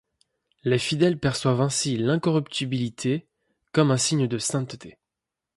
Les fidèles perçoivent ainsi l'incorruptibilité comme un signe de sainteté.